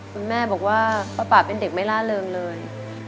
คุณแม่บอกว่าป้าป่าเป็นเด็กไม่ล่าเริงเลย